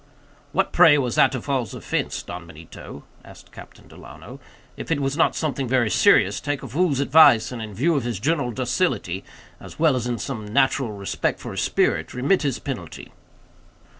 "What, pray, was Atufal's offense, Don Benito?" asked Captain Delano; "if it was not something very serious, take a fool's advice, and, in view of his general docility, as well as in some natural respect for his spirit, remit him his penalty."